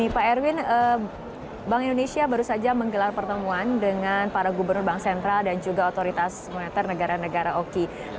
pak erwin bank indonesia baru saja menggelar pertemuan dengan para gubernur bank sentral dan juga otoritas moneter negara negara oki